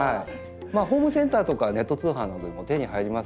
ホームセンターとかネット通販などでも手に入りますので。